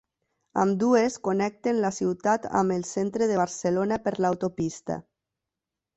Ambdues connecten la ciutat amb el centre de Barcelona per l'autopista.